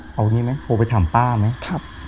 เอางี้ไหมโทรไปถามป้าไหม